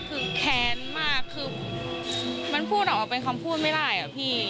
คือแค้นมากคือมันพูดออกมาเป็นคำพูดไม่ได้อะพี่